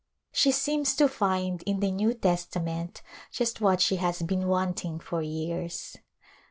She seems to find in the New Testament just what she has been want ing for years.